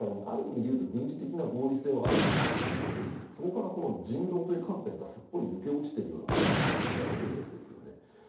ある意味で言うと軍事的な合理性はあるわけですがそこから人道という観点がすっぽり抜け落ちている化学戦をやったわけですよね。